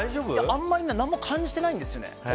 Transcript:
あんまり何も感じてないんですよね。